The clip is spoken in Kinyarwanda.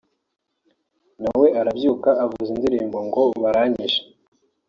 nawe arabyuka avuza induru ngo baranyishe